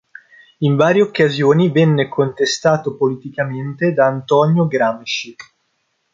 In varie occasioni venne contestato politicamente da Antonio Gramsci.